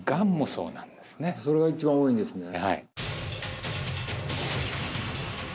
それが一番多いんですね